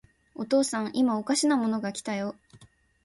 お父さん、いまおかしなものが来たよ。